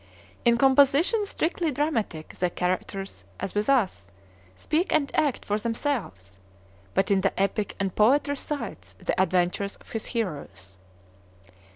In compositions strictly dramatic the characters, as with us, speak and act for themselves; but in the epic the poet recites the adventures of his heroes.